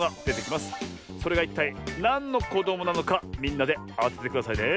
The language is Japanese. それがいったいなんのこどもなのかみんなであててくださいね。